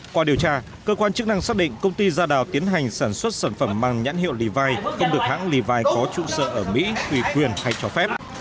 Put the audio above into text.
qua điều tra cơ quan chức năng xác định công ty gia đào tiến hành sản xuất sản phẩm mang nhãn hiệu lý vai không được hãng live có trụ sở ở mỹ tùy quyền hay cho phép